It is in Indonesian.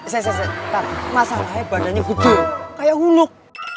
sese tam masalahnya badannya gede kayak huluk